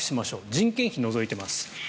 人件費を除いています。